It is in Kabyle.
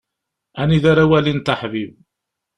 Anida ara walint aḥbib.